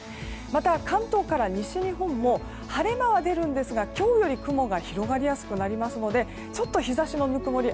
また、関東から西日本も晴れ間は出るんですが今日より雲が広がりやすくなりますのでちょっと日差しのぬくもり